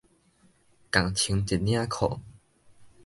仝穿一領褲